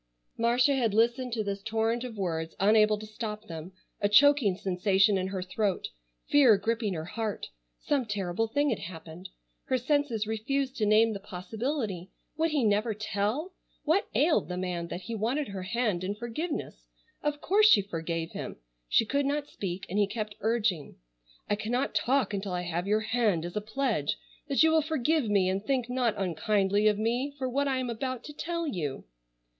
Marcia had listened to this torrent of words unable to stop them, a choking sensation in her throat, fear gripping her heart. Some terrible thing had happened. Her senses refused to name the possibility. Would he never tell? What ailed the man that he wanted her hand in forgiveness? Of course she forgave him. She could not speak, and he kept urging. "I cannot talk until I have your hand as a pledge that you will forgive me and think not unkindly of me for what I am about to tell you."